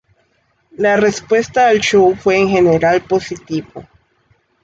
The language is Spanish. La respuesta al show fue en general positivo.